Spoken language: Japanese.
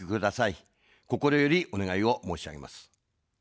心よりお願いを申し上げます。